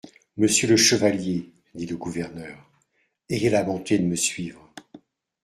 Monsieur le chevalier, dit le gouverneur, ayez la bonté de me suivre.